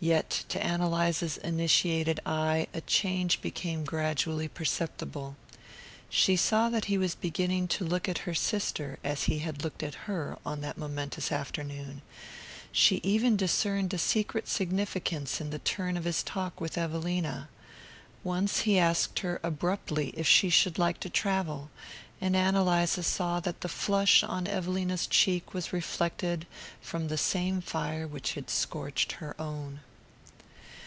Yet to Ann Eliza's initiated eye a change became gradually perceptible. She saw that he was beginning to look at her sister as he had looked at her on that momentous afternoon: she even discerned a secret significance in the turn of his talk with Evelina. Once he asked her abruptly if she should like to travel, and Ann Eliza saw that the flush on Evelina's cheek was reflected from the same fire which had scorched her own.